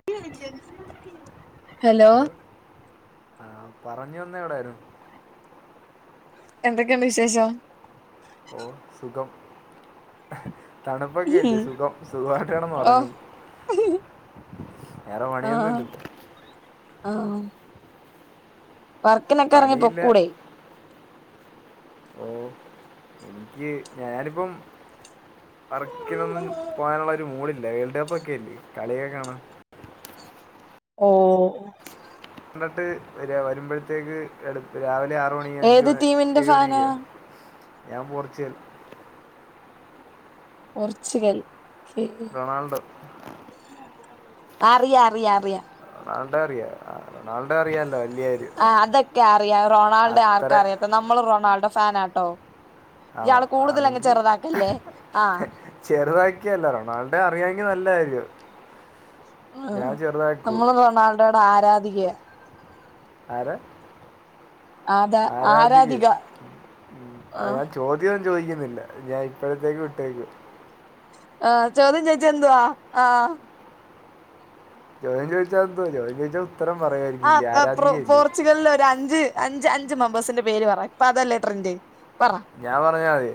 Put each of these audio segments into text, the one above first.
ആ [inaudible] ഹലോ ആ പറഞ്ഞു വന്ന എവിടെയായിരുന്നു എന്തൊക്കെയുണ്ട് വിശേഷം ഓ സുഖം തണുപ്പൊക്കെല്ലേ സുഖം സുഖമായിട്ട്കിടന്നു ഓ ഉറങ്ങുന്നു വേറെ പണിയൊന്നുംല്ല ആഹ വർക്കിനൊക്കെ ഇറങ്ങി പണിയില്ല പൊക്കൂടെ ഓ എനിക്ക് ഞാനിപ്പം വർക്കിനൊന്നും പോകാനുള്ള ഒരു മൂഡില്ല വേൾഡ് കപ്പ് ഒക്കെല്ലേ കളിയൊക്കെ കാണാം ഓ തിന്നിട്ട് വരിക വരുമ്പോഴത്തേക്ക് എടു ഇപ്പോൾ രാവിലെ ആറ മണി അഞ്ച് ഏത് മണി ടീമിന്റെ ഏഴ് ഫാനാ മണിയൊക്കെയാണ് ഞാൻ പോർച്ചൽ പോർച്ചുഗൽ റൊണാൾഡോ അറിയ അറിയ അറിയ റൊണാൾഡോ അറിയ റൊണാൾഡേ അറിയാല്ലോ ആ അതൊക്കെ അറിയാം റൊൾഡോ ആർക്കും അത്ര അറിയാത്ത നമ്മള് റൊണാൾഡോ ഫാനാട്ടോ ആണോ ഇയാള് കൂടുതൽ അങ്ങ് ആണെങ്കിൽ ചെറുതാക്കല്ലേ ആഹ ചെറുതാക്കിയല്ല റൊണാൾഡേ അറിയാമെങ്കിൽ നല്ല കാര്യം ഞാൻ ചെറുതാക്കൂ റൊണാൾഡോടെ ആരാധികയാ ആരാ ആരാധിക ആഹ് അ ചോദ്യംന്നും ചോദിക്കുന്നില്ല ഞാൻ ഇപ്പോഴത്തേക്ക് വിട്ടേക്കുന്നു ആഹ ചോദ്യം ചോദിച്ച എന്തുവാ ആഹ ചോദ്യം ചോദിച്ചാന്തോ ചോദ്യം ചോദിച്ചോ ഉത്തരം പറയുവായിരിക്കും ആ പോർച്ചുഗലിൽലെ അഞ്ച് അഞ്ച് അഞ്ച് മെമ്പേഴ്സിന്റെ പേര് പറ ഇപ്പൊ അതല്ലേ ട്രെൻഡ് പറ ഞാൻ പറഞ്ഞാമതി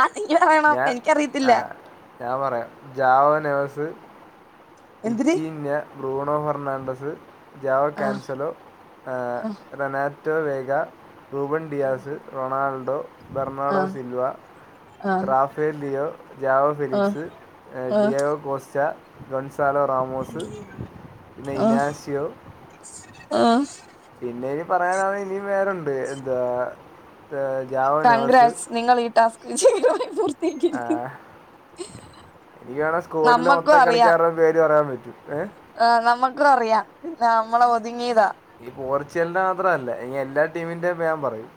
ആഹ് [unintelligible] ആ എനിക്കറിയത്തില്ല ഞാൻ പറയാം. ജാവ നേഴ്സ് എന്തിന് ബിത്തീന്യ ബ്റൂണോ ഫെർണാണ്ടസ്, ജാവോ ആ കാൻസലോ, ആ Renato Veiga, Ruben Dias, Ronaldo, ആ ബെർണാഡോ സിൽവ. ആ റാഫേൽ ലിയോ, ജാവോ ഫിലിക്സ്, ആ ആ Diogo Costa, Goncalo Ramos, Inacio. ആഹ് പിന്നെ ഇനി പറയാനാണെ ഇനിയും വേറുണ്ട്. എന്താ ജാവോ നവസ് കൺഗ്രാറ്റ്സ് നിങ്ങൾ ഈ ടാസ്ക് [unintelligible] ആഹ് ഇയാണോ സ്കൂളില് നമ്മക്കും മൊത്തം കളിക്കാര്ടെ പേര് പറയാൻ പറ്റൂ. ഏഹ് ആഹ് നമ്മുക്ക അറിയ. നമ്മള ഒതുങ്ങിയതാ. ഈ പോർച്ചുഗലൽന്റെ മാത്രമല്ല. ഇനി എല്ലാ ടീമിന്റെയും പ്യാൻ പറയും.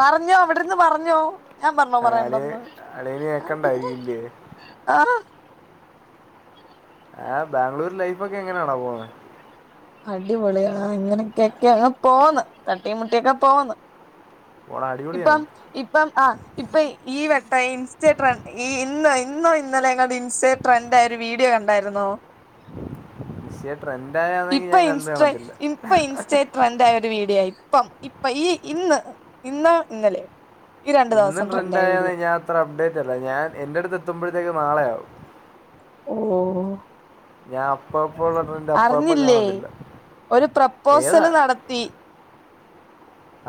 പറഞ്ഞോ അവിടെന്ന് പറഞ്ഞോ. ഞാൻ പറഞ്ഞോ ആ, അളി പറയണ്ടന്ന്. അളിയന് കേൾക്കണ്ടായിരിക്കില്ലേ [unintelligible] ആഹ് ആഹ് ബാംഗ്ലൂര് ലൈഫൊക്കെ എങ്ങനെയാടാ പോകുന്നെ? അടിപൊളിയാഹ് ഇങ്ങനെയൊക്കെയക്കെ അങ്ങ് പോന്ന്. തട്ടീ മുട്ടിയൊക്കെ പോന്ന്. പോണ ഇപ്പം അടിപൊളിയാണ് ഇപ്പം ആഹ് ഇപ്പൊ ഈ വെട്ട ഇൻസ്റ്റ ഡ്രെൺ ഈ ഇന്ന് ഇന്നോ ഇന്നലെ ങ്ങ് ഇൻസ്റ്റെ ട്രെൻഡ് ആയ ഒരു വീഡിയോ കണ്ടായിരുന്നോ? ഷെ ട്രെൻയന്നെങ്കിൽ ഞാൻ കണ്ട് കാണത്തില്ല ട്രന്റായ ഒരു വീഡിയായി ഇപ്പം ഇപ്പൊ ഈ ഇന്ന് ഇന്ന ഇന്നലെ ഈ രണ്ടു ഇന്ന് ദവസം ട്രന്റായ ട്രെൻഡായാന്നെ വീഡിയോ ഞാൻ അത്ര അപ്ഡേറ്റ് അല്ല ഞാൻ എന്റട്ത്ത് എത്തുമ്പഴത്തേക്കും നളെയാവും. ഓഹ് ഞാൻ അപ്പപ്പ ഉള്ള ട്രെൻഡ് അപ്പ അപ്പ അറിഞ്ഞില്ലേ കാണത്തില്ല. ഒരു ഏതാ പ്രപ്പോസല് നടത്തി.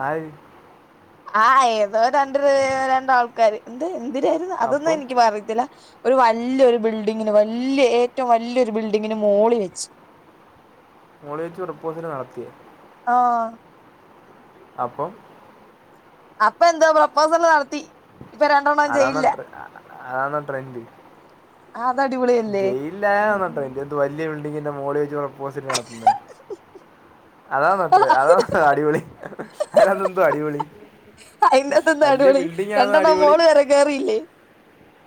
ആര്? ആഹ് ഏതോ രണ്ട് ര് രണ്ടാൾക്കാര്. എന്ത് എന്തിരായിരുന്നു അതൊന്നും അപ്പം എനിക്ക് പറയത്തില്ല ഒരു വല്ല്യൊരു ബിൽഡിങ്ങിന് വല്ല്യയ ഏറ്റവും വല്ല്യയൊരു ബിൽഡിങ്ങിന് മോളി വെച്ച്. മോളിവെച്ച് പ്രപ്പോസില് നടത്തിയൊ? ആഹ് അപ്പം അപ്പ എന്താ പ്രപ്പോസല് നടത്തി. ഇപ്പൊ രണ്ടെണ്ണം അതാന്നൊ ജയിലിലാ ട്ര അതാന്നൊ ട്രെൻഡ്? ആഹ് അത്‌ അടിപൊളി ജയിലിലായോ ന്നട്ട് എന്റെതു വല്യയ ബിൽഡിംഗിന്റെ മോളി വെച്ച് പ്രപ്പോസിറ്റ് നടത്തുന്നെ? അതാന്നൊ ട്ര അതാ അടിപൊളി അയിനത് എന്തോ അടിപൊളി അയിന്റെത്തെന്താ വല്ല്യയ അടിപൊളി ബിൽഡിങ് ആന്ന രണ്ടെണ്ണം അടിപൊളി? മോള് വരെ കേറിയില്ലേ?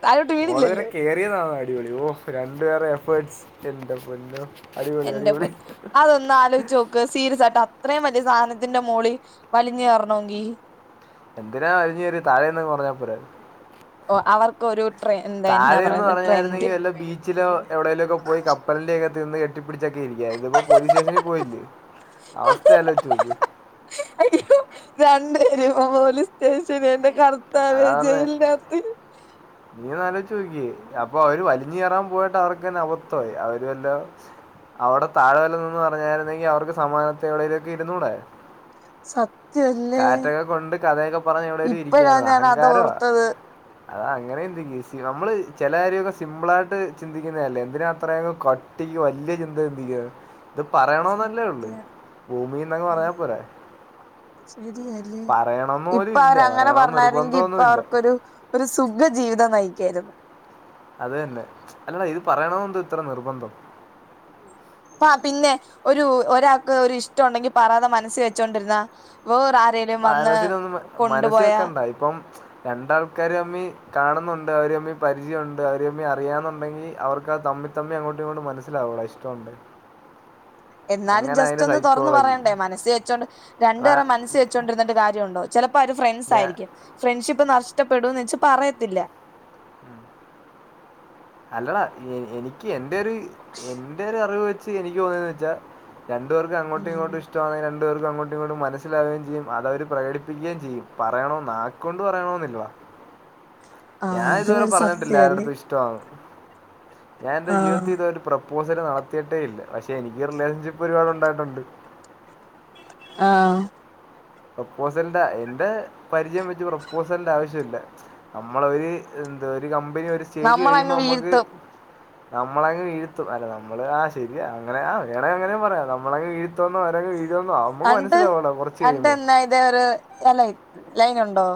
താഴോട്ട് മോള് വരെ വീണില്ലല്ലോ കയറിയതാണോ അടിപൊളി ഓഹ് രണ്ടുപേരെ എഫേർട്സ്. എന്റെ പൊന്നോ അടിപൊളി എന്റെ അടിപൊളി പൊൻ അതൊന്ന് ആലോയ്ചോ സീരിയസ് ആയിട്ട് അത്രയും വലിയ സാധനത്തിന്റെ മോളി വലിഞ്ഞ കയറണമെങ്കിൽ. എന്തിനാ വലിഞ് കേറ്യേ താഴേന്നങ് പറഞ്ഞാൽ പോരായിര് ഓഹ് അവർക്കൊരു ട്ര എന്താ എന്നാ പറയുന്നത് ട്രെൻഡ്. ച്ചിലോ എവിടെലൊക്കെ പോയി കപ്പലണ്ടിയൊക്കെ തിന്ന് കെട്ടിപിടിച്ചൊക്കെ ഇരിക്കായിരുന്നു ഇത്പ്പോ പോലീസ് സ്റ്റേഷനിൽ പോയില്ലേ അവസ്ഥ ആലോയ്ചോക്ക്. രണ്ട് പേരും പോലീസ് സ്റ്റേഷന് എന്റെ കർ അതാ പറഞ്ഞേ. നീ ഒന്ന് ആലോയ്ചോക്കിയേ അപ്പൊ അവര് വലിഞ്ഞ് കയറാൻ പോയിട്ട് അവർക്ക് ക്കന്നെ അവത്തായി അവ് ഇതുവല്ല അവിടെ താഴെവല്ലന്ന് പറഞ്ഞായ്ര്ന്നെങ്കി അവർക്ക് സമാനത്തേവ്ടെങ്കിലൊക്കെ ഇരുന്നൂടെ. സത്ത് കാറ്റൊക്കെ കൊണ്ട് കഥയൊക്കെ പറഞ്ഞഞ് എവിടെലും ഇപ്പഴാ ഇരിക്കാലോ ഞാൻ അത് അഹങ്കാരോ ഓർത്തത് അത അങ്ങനെ ചിന്തിക്ശി നമ്മള് ചില കാര്യൊക്കെ സിമ്പിളായിട്ട് ചിന്തിക്കണല്ലേ എന്തിന അത്രയും കട്ടി ട്ടിക്ക് വലിയ ചിന്ത ചിന്തിക്ക എന്ത ഇത് പറയണന്നല്ലേള്ളു സത്യം ഭൂമി എന്നങ്ങ് ആഹ് പറയാൽ പോരെ ശരിയല്ലേ പറയണമെന്ന് ഇപ്പ പോലും ഇല്ല അവര അങ്ങനെ പറയണമെന്ന് പറഞ്ഞരങ്കി ഇപ്പ നിർബന്ധമൊന്നുമില്ല അവർക്കൊരു ഒരു സുഖ ജീവിതം നയിക്കായിരുന്നു അത് തന്നെ അല്ലടാ ഇത് പറയണം ഇത്ര നിർബന്ധം ആ പിന്നെ ഒരു ഒരാൾക്ക് ഒരു ഇഷ്ടം ഉണ്ടെങ്കിൽ പറാതെ മനസ്ൽ വെച്ചോണ്ടിരുന്നാ വേറെ ആരേ മനസിലൊന്ന് മനസ്സിൽ വെക്കണ്ട ഇപ്പം രണ്ടാൾക്കാർ ത്താമ്മിൽ കാണുന്നുണ്ട് അവർ ത്തമ്മിൽ പരിചയംണ്ട് അവര ത്തമ്മിൽ അറിയന്നുണ്ടെങ്കിൽ അവർക്ക്ത് തമ്മിൽ തമ്മിൽ അങ്ങോട്ടും ഇങ്ങോും മനസ്സി ലാവൂ ഇഷ്ടുണ്ട് എന്നാലും ജസ്റ്റ് ഒന്ന് തുറന്ന് സൈക്കോളജി പറയേണ്ടേ മനസ്സ് വെച്ചോണ്ട് എടാ രണ്ടുേറെ മനസ്സ് വെച്ചോണ്ടിന്നി് കാര്യുണ്ടോ ചിലപ്പോ ഒരു ഫ്രണ്ട്സ് ഞാൻ ആയിരിക്കും ഫ്രണ്ട്ഷിപ്പ് നഷ്ടപ്പെടൂന്ന് വെച്ച് പറയത്തില്ല [inaudible] അല്ലടാ എനിക്ക് എന്റെറെ ഒരു എന്റെറെ ഒരു അറിവ് വെച്ച് എനിക്ക് തോന്നിയന്ന് വെച്ചാ രണ്ടു പെർക്കും അങ്ങടും ഉം ഇങ്ങട്ടും ഇഷ്ടമാണങ്കിൽ രണ്ട് പേർക്കും അങ്ങടും ഇങ്ങോടും മന മനസ്സിലാവുകയും ചെയ്യും അത്വര് പ്രകടിപ്പിക്കുകയും ചെയ്യും പറയണോ നാക് കൊണ്ട് പറയണമെന്നില്ലടാ ആഹ് ഞാൻ അത് ഇതുവരെ ഒരു പറഞ്ഞിട്ടില്ല ആരുടെ സത്യല്ലേ യെടുത്തും ഇഷ്ടന്ന് ഞാൻ എൻറെ ജീവിതത്തി ആഹ് ഇത്രു പ്രപ്പോസൽ നടത്തിയിട്ടേ ഇല്ല പക്ഷെ എനിക്ക് റിലേഷൻഷിപ്പ് ഒരുപാട് ഉണ്ടായിട്ടുണ്ട് ആഹ പ്രപ്പോസലിന്റെ എന്റെ പരിചയം വെച്ച് പ്രപ്പോസലിന്റെ ആവശ്യം ഇല്ല നമ്മളൊ ഒരു എന്താ ഒരു കമ്പനി ഒരു സ്റ്റേജ് നമ്മളങ്ങ് കഴിയുമ്പോ നമ്മുക്ക് വീഴ്ത്തും നമ്മളങ്ങ് വിയ്‌ത്തും അല്ല നമ്മള് ആ ശരിയാ അങ്ങനെ വേണെ അങ്ങനെ പറയാ നമ്മളങ് വീഴ്വന്നോ അവരങ് വീഴുന്നോ അണ്ട് അണ്ട്ന്താ ഇത ഒരു അല്ല ലൈന ഉണ്ടോ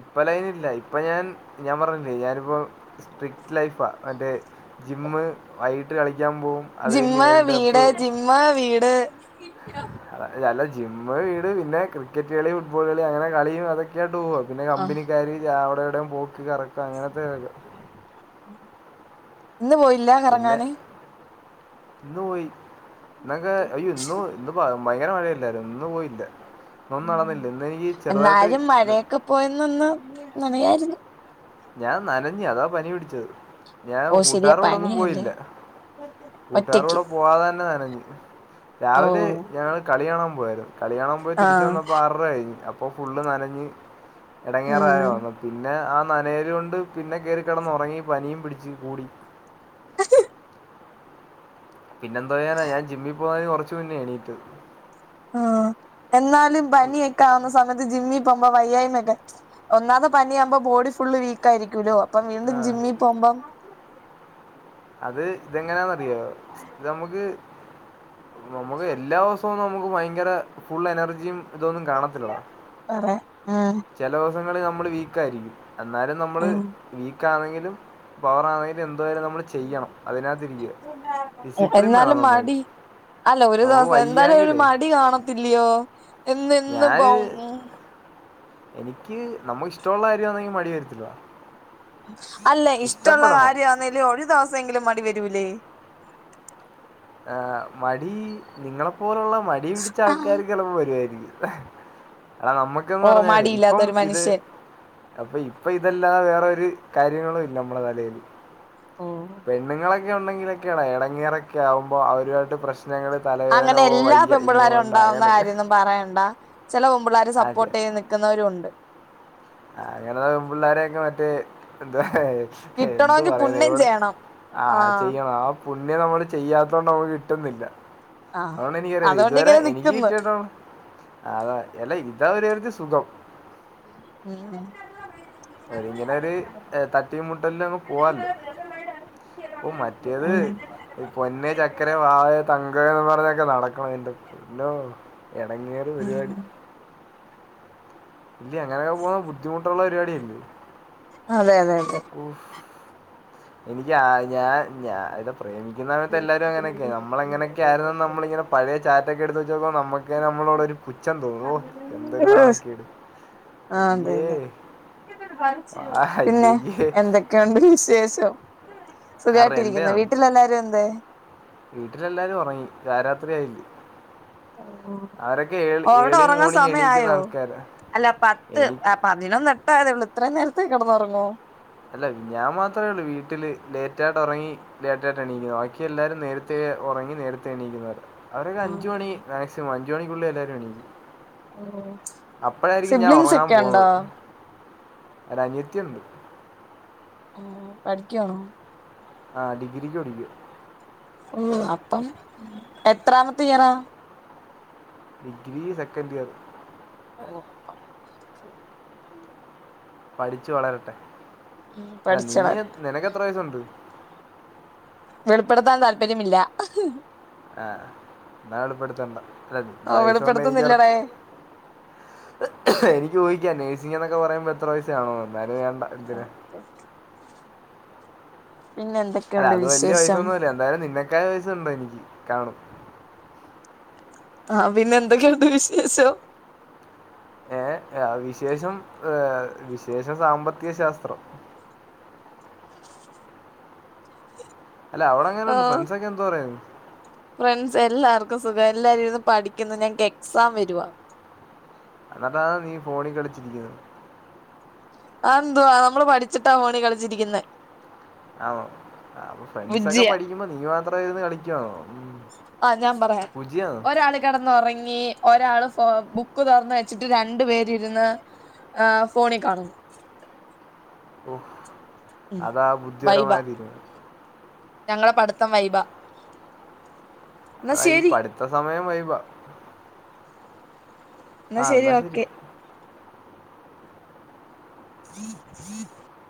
ഇപ്പലൈനില്ല ഇപ്പൊ ഞാൻ ഞാൻ പറഞ്ഞില്ല ഞാനിപ്പോൾ സ്ട്രിക്ട് ലൈഫാ മറ്റെ റെ ജിമ്മ് വൈകിട്ട് കളിക്കാൻ പോകും ജിമ് വീട് ജിമ് വീട് ആതെ ആല്ല ജിമ് വീട് പിന്നെ ക്രിക്കറ്റ് കളി ഫുട്ബോൾ കളി അങ്ങനെ കളിയും അതൊക്കെ ക്കട്ട് പോ പിന്നെ ആഹ് കമ്പനിക്കാർവിടെ എവിടെയും പോക്ക് കറക്ക അങ്ങനത്തെക്കെ ഇന്ന് പോയില്ല പിന്നെ കറങ്ങാന് ഇന്ന് പോയി ഇന്നക്കെ അയെ ഇന്നും ഇന്ന് ഭയങ്കര മഴയില്ല ഇന്നും പോയില്ല ഇൊന്നും നടന്നില്ല ഇന്ന്നിക്ക് ചെറുതായിട്ട് ത് പോയെന്നന്ന് നനയായിരുന്നു ഞാൻ നനഞ് അതാ പനി പിടിച്ചത് ഞാൻ ഓ ശരിയാ കൂട്ടുകാരോടൊന്നും പനിയല്ലേ പോയില്ല [unintelligible] കൂട്ടുകാര കൂടെ പോവാതെ തന്നെ നനന്നു രാവിലെ ഞങ്ങള് കളിയാണാൻ പോയരുന്നു കളിയാണാൻ പോയി തിരിച്ച ആഹ് വന്നപ്പോ ആര ര കഴിഞ്ഞ് അപ്പോൾ ഫുള്ള് നനഞ്ഞ് ഇടങ്ങേറായോ ഉം [unintelligible] പിന്നെ ആ നനയൽ കൊണ്ട് പിന്നെ കയറിക്കിടന്നുറങ്ങി പനിയും പിടിച്ച് കൂടി [unintelligible] പിന്നെ എന്ത വേറെ ഞാൻജിമ്മിൽ പോകന് കുറച്ച് മുന്നേ എണീട്ട് ആ എന്നാലും ഉയ്. പനിയക്കെ ക്കാവുന്നസമയത്ത് ജിമ്മിൽ പോകുമ്പോ വയ്യായ്മയ ഒക്കെ ഒന്നാമത്തെ പനിയകുമ്പോ ബോഡി ഫുള് വീക്ക് ആയിരിക്കൂല്ലോ അപ്പം വീണ്ടും ആ ജിമ്മിൽ പോകുമ്പം അത് ഇതെങ്ങനാന്നറിയോ ഇത് നമുക്ക് നമുക്ക് എല്ലാ ദിവസവുംന്നും നമുക്ക് ഭയങ്കര ഫുൾ എനർജിയും ഇതൊന്നും കാണത്തില്ല [unintelligible] ചില ദിവസങ്ങൾ നമ്മള് വീക്ക ആയിരിക്കും എന്നാലും നമ്മള് ഉം വീക്ക് ആണെങ്കിലും, പവർ ആണെങ്കിലും, എന്തോയാലും നമ്മള് ചെയ്യണം. അതിനകത്തിരിക്ക്യ. ഡിസിപ്ലിൻ വേണം എന്നാലും നമ്മളിൽ. മടി അല്ല. ഒരു ദിവസം, എന്താലും ഒരു മടി കാണത്തില്ലയോ? എന്നും എന്നും ഞാന്.., പോവും എനിക്ക്, നമുക്ക്ഷ്ടമുള്ള കാര്യയാണെങ്കിൽ മടി വരത്തില്ല. അല്ല, ഇഷ്ടവുള്ള ഇഷ്ടപ്പെടണം കാര്യാന്നേലും, ഒരു ദിവസെങ്കിലും മടി വരൂലേ? ഏഹ്., മടി, നിങ്ങളെപ്പോലുള്ള മടി പിടിച്ച ആൾക്കാർ ചിലപ്പോൾ വരുവായിരിക്കും. ആഹ്, നമ്മക്ക്ന്ന് ഓ പറഞ്ഞാല്, ഇപ്പം മടിയില്ലാത്തൊരു ഇത് മനുഷ്യൻ അപ്പൊ, ഇപ്പൊ ഇതല്ലാതെ വേറൊരു കാര്യങ്ങളുല്ല നമ്മളെ തലേല്. പെണ്ണുങ്ങളക്കെ ക്കെ ഉണ്ടെങ്കിലൊക്കെയാണ്, എടങ്ങേറൊക്കെ ആവുമ്പോ, അവരുമായിട്ട് പ്രശ്നങ്ങൾ അങ്ങനെ തലവേദനയോ.. ! എല്ലാ വയ്യ, ഇന്ന് പെൺപിള്ളേരും പോണ്ട. ഉണ്ടാവുന്ന അങ്ങനെ കാര്യമൊന്നും പറയണ്ട, ചില പെമ്പിള്ളേർ ചെ സപ്പോർട്ട് ചെയ്ത് നിൽക്കുന്നവരും ഉണ്ട്. അങ്ങനെള്ള പെമ്പിള്ളേരെ മറ്റേ, എന്താ എന്തു കിട്ടണമെങ്കിൽ പറയാന പുണ്യം ഇവിടെ, ചെയ്യണം ആഹ് ചെയ്യണം പുണ്യം നമ്മള് ചെയ്യാത്തോണ്ട് നമ്മക് കിട്ടുന്നില്ല. ആഹ് അതോണ്ട് എനിക്കറിയത്തില്ല. അതുകൊണ്ട് ഇതുവരെ ഇങ്ങനെ എനിക്ക് നിക്കുന്ന് കിട്ടിയിട്ടോ അതെ. എല്ല, ഇതാ ഒരു തരത്തി സുഖം. [inaudible] ഒരുങ്ങനൊരു തട്ടിയീം, മുട്ടൽലൊങ്ങ് പോവാല്ലോ. ! ഓഹ്, മറ്റേത് ഉം പൊന്നേ, ചക്കരെ, വാവേ, തങ്കെന്നും പറഞ്ഞൊക്കെ നടക്കണം. എന്റെ പോന്നോഹ്. ! എടങ്ങേറ് ഉം പരിപാടി ഇല്ലേ, അങ്ങനെയങ് പോവാൻ ബുദ്ധിമുട്ടുള്ള പരിപാടിയായിരിക്കും. അതെ, അതെ, അതെ [inaudible] ഓഫ്‌ഹ്! എനിക്ക്, ആ.. ഞാൻ, ഞ പ്രേമിക്കുന്നകാലത്ത് എല്ലാവരും അങ്ങനൊക്കെ, നമ്മളെങ്ങനെയൊക്കെയയിരുന്നെന്ന് നമ്മളിങ്ങനെ പയേ ചാറ്റൊക്കെ എടുത്ത് വെച്ച് നോക്കുമ്പോ, നമുക്ക് നമ്മളോടൊരു പുച്ഛം തോന്നും. ഓഹ്! എന്തൊരു നാണക്കേട്. ആഹ്. അയ്യേ അതെതെ, ആ [unintelligible] പിന്നെ, അയ്യയ്യേ എന്തൊക്കെയുണ്ട് വിശേഷം? ആ സസുഖായിട്ടിരിക്കുന്നോ? വീട്ടിലെല്ലാരും എന്തേ? വീട്ടിലെല്ലാരും ഒറങ്ങി, പാരാത്രി ആയില്ലേ? ഓഹ്! അവരൊക്കെ ഏൾ ഓവ്ടെ ഏർലി ഒറങ്ങാൻ മോർണിംഗ് എണീക്കുന്ന സമയായോ? ആൾക്കാരാണ് അല്ല, പത്ത് എനി പതിനൊന്നെട്ടേ ആയതേയൊള്ളു. ഇത്രയും നേരത്തേ കെടന്നോറങ്ങോ? അല്ല ഞാൻ മാത്രേ ഒള്ളൂ വീട്ടില്, ലേറ്റ ആയിട്ട് ഒറങ്ങി ലേറ്റായിട്ട് എണീക്കുന്നത്. ബാക്കി എല്ലാരും നേരത്തെ ഉറങ്ങി, നേരത്തേ എണീക്കുന്നവരാ. അവരൊക്കെ അഞ്ച് മണി ആഹ് മാക്സിമം. അഞ്ച മണിക്കുള്ളി എല്ലാവരും എണീക്കും. ഓഹ്!. അപ്പോഴായിരിക്കും ഞാൻ ഒറങ്ങാൻ പോകുന്നത്. അല്ല, അനിയത്തിണ്ട്. ഓഹ്! പഠിക്യണോ? ആഹ്, ഡിഗ്രിക്ക് പഠി ഓഹ്! അപ്പം, എത്രാമത്തെ ഇയറാ? Degree second year. [inaudible] പഠിച്ചു വളരട്ടെ. അല്ല പഠിച്ച് നീയ്, വളർന്ന് നിനക്ക് എത്ര വയസുണ്ട്? വെളിപ്പെടുത്താൻ താല്പര്യമില്ല. ആഹ്, എന്നാ വെളിപ്പെടുത്തണ്ട. അല്ല എന്റെ ഓ വയസ്സുണ്ടെങ്ങി വെളിപ്പെടുത്തുന്നില്ലടേ കൊറച്ച് എനിക്ക് ഊഹിക്കാം, നേയ്‌സിങ്‌ ന്നൊക്കെ പറയുമ്പോ എത്ര വയസ്സ്കാണുന്ന്. എന്നാലും വേണ്ട. എന്തിനാ [unintelligible] പിന്നെ എന്തെ അല്ല അത് വലിയ വയസൊന്നുവല്ല. എന്തായാലും നിന്നക്കായും വയസ്സൊണ്ടെനിക്. കാണു ആഹ്, പിന്നെ എന്തൊക്കെയുണ്ട് വിശേഷം? ഏഹ്! വിശേഷം, ഏഹ് വിശേഷം സാമ്പത്തിക ശാസ്ത്രം. അല്ല അവിടെങ്ങനെയുണ്ട് ആഹ് ഫ്രണ്ട്സൊക്കെ എന്തുപറയുന്നു ഫ്രണ്ട്സ് എല്ലാവർക്കും സുഖം എല്ലാരും ഇരുന്ന് പഠിക്കുന്നു ഞങ്ങക്ക് എക്സാം വരുവാ എന്നിട്ടാണ് നീ ഫോണി കളിച്ചിരിക്കുന്നത് ആ എന്തുവാ നമ്മള് പഠിച്ചിട്ടാ ഫോണി കളിച്ചിരിക്കുന്നെ ആണോ അ ഫ്രണ്ട്സൊക്കെ ബുജ്ജിയ പഠിക്കുമ്പോ നീ മാത്രമിരുന്നു കളിക്കുവാണോ ഉം. ആ ഞാൻപറയാം കുജിയാണോ ഒരാളിപ് കെടന്നൊറങ്ങി ഒരാള് ഫോ ബുക്ക് തൊറന്നുവെച്ചിട്ട് രണ്ടു പേര് ഇരുന്ന് ആ ഫോണീ കാണുന്നു ഓ ഉം വൈബാ ഞങ്ങളെപഠിത്തം വൈബാ ആ ഈ ശരി പഠിത്തസമയം വൈബാ എന്നാ ആ ശെരി ശരി ഓക്കെ [unintelligible]